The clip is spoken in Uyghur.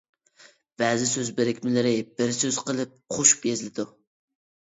بەزى سۆز بىرىكمىلىرى بىر سۆز قىلىپ قوشۇپ يېزىلىدۇ.